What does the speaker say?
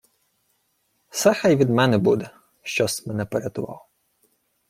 — Се хай від мене буде, що-с мене порятував.